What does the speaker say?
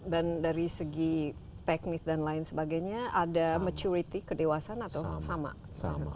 dan dari segi teknik dan lain sebagainya ada maturity kedewasan atau sama